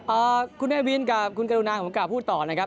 อ่าคุณแม่วินกับคุณกระดุนางของผมกลับพูดต่อนะครับ